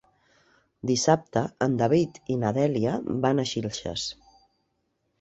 Dissabte en David i na Dèlia van a Xilxes.